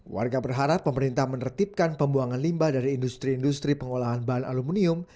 warga berharap pemerintah menertibkan pembuangan limbah dari industri industri pengolahan bahan aluminium